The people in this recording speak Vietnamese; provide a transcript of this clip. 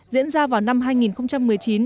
diễn ra vào năm hai nghìn một mươi chín